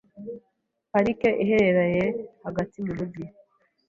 Parike iherereye hagati mu mujyi.